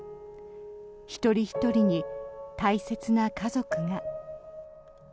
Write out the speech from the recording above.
一人ひとりに大切な家族が。